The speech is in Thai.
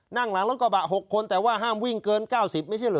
นั่งหลังรถกระบะ๖คนแต่ว่าห้ามวิ่งเกิน๙๐ไม่ใช่เหรอ